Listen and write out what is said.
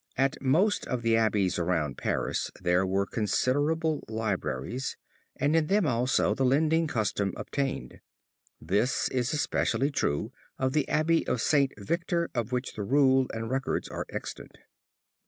At most of the abbeys around Paris there were considerable libraries and in them also the lending custom obtained. This is especially true of the Abbey of St. Victor of which the rule and records are extant.